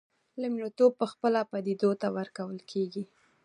لومړیتوب پخپله پدیدو ته ورکول کېږي.